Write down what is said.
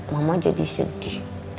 mama jadi sedih